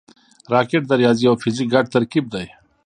راکټ د ریاضي او فزیک ګډ ترکیب دی